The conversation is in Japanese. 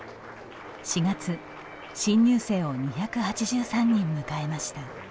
４月、新入生を２８３人迎えました。